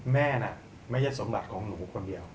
แม่น่ะไม่ใช่สมบัติของหนูคนเดียว